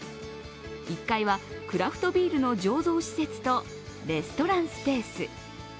１階はクラフトビールの醸造施設とレストランスペース。